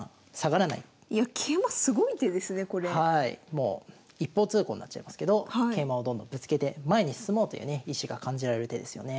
もう一方通行になっちゃいますけど桂馬をどんどんぶつけて前に進もうというね意志が感じられる手ですよね。